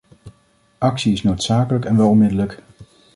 Actie is noodzakelijk en wel onmiddellijk.